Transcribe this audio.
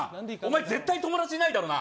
絶対友達いないだろ。